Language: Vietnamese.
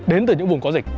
đến từ những vùng có dịch